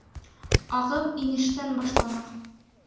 Ағым инештән башлана.